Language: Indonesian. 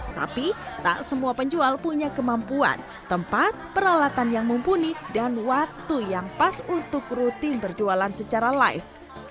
tapi tak semua penjual punya kemampuan tempat peralatan yang mumpuni dan waktu yang pas untuk rutin berjualan secara live